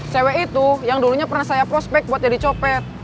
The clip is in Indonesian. cewek itu yang dulunya pernah saya prospek buat jadi copet